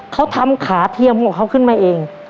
เขาทำขาเทียมของเขาขึ้นมาเอง